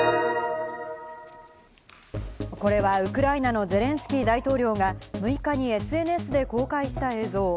これはウクライナのゼレンスキー大統領が６日にＳＮＳで公開した映像。